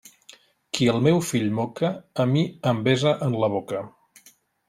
Qui el meu fill moca, a mi em besa en la boca.